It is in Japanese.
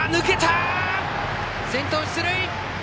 先頭、出塁。